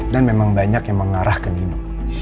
dan memang banyak yang mengarah ke nino